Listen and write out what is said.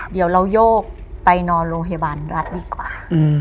เดี๋ยวเราโยกไปนอนโรงพยาบาลรัฐดีกว่า